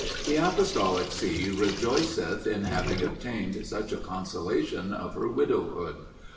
The Apostolic See rejoiceth in having obtained such a consolation of her widowhood.